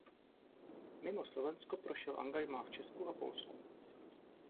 Mimo Slovensko prošel angažmá v Česku a Polsku.